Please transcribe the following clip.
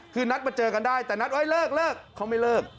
คือนัดมาเจอกันได้แต่นัดไว้เลิกเลิกเขาไม่เลิก